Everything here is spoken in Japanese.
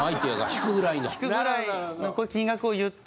引くぐらいの金額を言って。